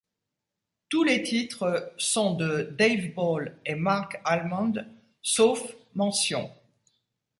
Tous les titres sont de Dave Ball et Marc Almond, sauf mention.